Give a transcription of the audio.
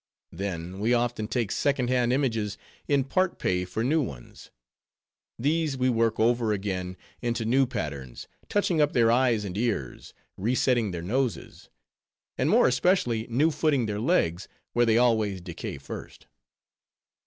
Then, we often take second hand images in part pay for new ones. These we work over again into new patterns; touching up their eyes and ears; resetting their noses; and more especially new footing their legs, where they always decay first."